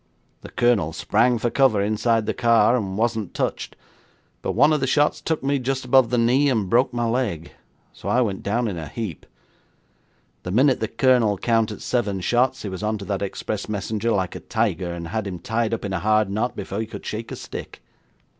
The Colonel sprang for cover inside the car, and wasn't touched, but one of the shots took me just above the knee, and broke my leg, so I went down in a heap. The minute the Colonel counted seven shots he was on to that express messenger like a tiger, and had him tied up in a hard knot before you could shake a stick.